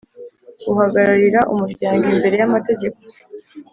uhagararira Umuryango imbere y amategeko